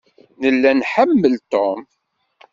Nella nḥemmel Tom.